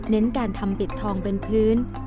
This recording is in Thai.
การทำปิดทองเป็นพื้น